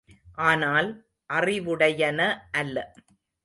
ஆனால், அறிவுடையன அல்ல.